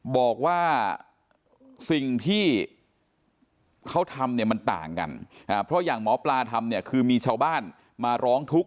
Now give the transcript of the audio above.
บอกว่าสิ่งที่เขาทำเนี่ยมันต่างกันเพราะอย่างหมอปลาทำเนี่ยคือมีชาวบ้านมาร้องทุกข